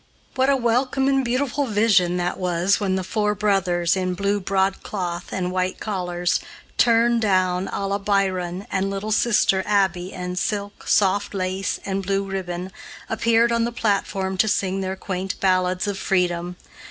What a welcome and beautiful vision that was when the four brothers, in blue broadcloth and white collars, turned down à la Byron, and little sister Abby in silk, soft lace, and blue ribbon, appeared on the platform to sing their quaint ballads of freedom!